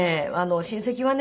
親戚はね